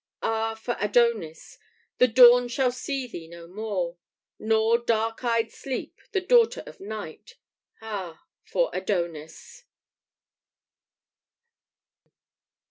Ah, for Adonis! The Dawn shall see thee no more, Nor dark eyed Sleep, the daughter of Night, Ah, for Adonis!"